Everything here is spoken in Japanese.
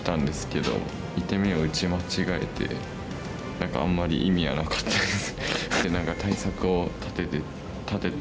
何かあんまり意味はなかったです。